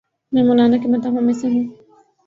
میں مولانا کے مداحوں میں سے ہوں۔